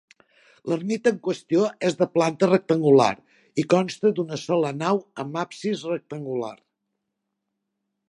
L'ermita en qüestió és de planta rectangular i consta d'una sola nau amb absis rectangular.